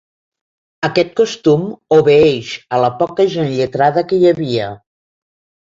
Aquest costum obeeix a la poca gent lletrada que hi havia.